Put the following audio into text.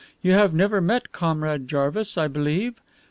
You have never met Comrade Jarvis, I believe?